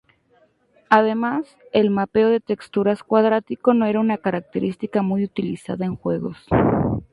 Además, el mapeado de texturas cuadrático no era una característica muy utilizada en juegos.